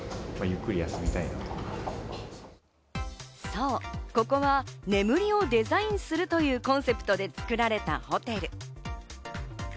そう、ここは眠りをデザインするというコンセプトで作られたホテル。